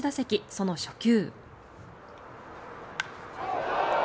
その初球。